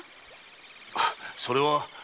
それは。